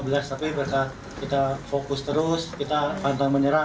tapi berkah kita fokus terus kita pantang menyerah